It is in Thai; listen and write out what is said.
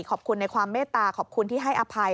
ขอบคุณในความเมตตาขอบคุณที่ให้อภัย